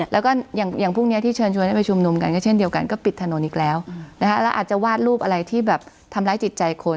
แล้วก็อย่างพวกนี้ที่เชิญชวนให้ไปชุมนุมกันก็เช่นเดียวกันก็ปิดถนนอีกแล้วแล้วอาจจะวาดรูปอะไรที่แบบทำร้ายจิตใจคน